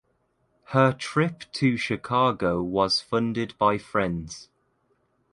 Her trip to Chicago was funded by friends.